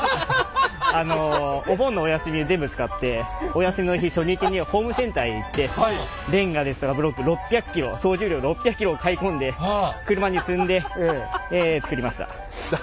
お休みの日初日にホームセンターへ行ってレンガですとかブロック６００ｋｇ総重量６００ｋｇを買い込んで車に積んで作りました！